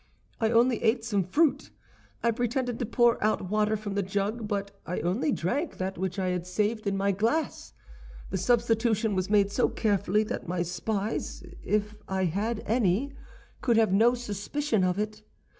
I only ate some fruit. I pretended to pour out water from the jug, but I only drank that which I had saved in my glass. The substitution was made so carefully that my spies, if I had any, could have no suspicion of it.